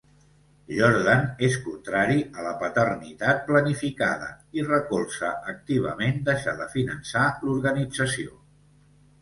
Jordan es contrari a la Paternitat Planificada i recolza activament deixar de finançar l'organització.